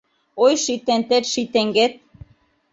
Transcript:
Ой, ший тентет, ший теҥгет